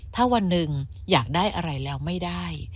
ถ้าวันหนึ่งอยากได้อะไรแล้วไม่ได้